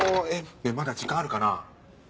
まだ時間あるかな？